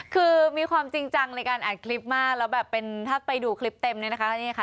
คือมีความจริงจังในการอัดคลิปมากแล้วถ้าไปดูคลิปเต็มนะคะ